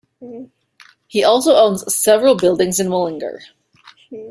He also owns several buildings in Mullingar.